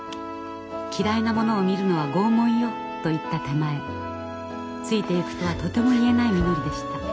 「嫌いなものを見るのは拷問よ」と言った手前ついていくとはとても言えないみのりでした。